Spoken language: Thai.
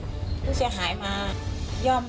ไม่ได้มีเจตนาที่จะเล่ารวมหรือเอาทรัพย์ของคุณ